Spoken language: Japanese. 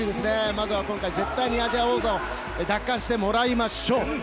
まず今回、絶対にアジア王座を奪還してもらいましょう。